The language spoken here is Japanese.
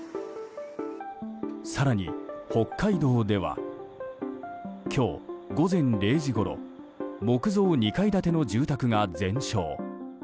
更に北海道では今日午前０時ごろ木造２階建ての住宅が全焼。